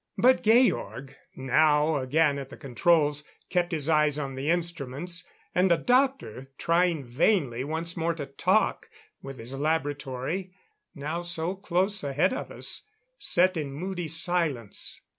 But Georg, now again at the controls, kept his eyes on the instruments; and the doctor, trying vainly once more to talk with his laboratory, now so close ahead of us, sat in moody silence.